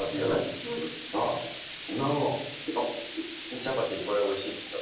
チャパティこれ美味しいって言ってた。